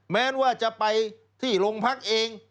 แม้ว่าจะไปที่โรงพักเอง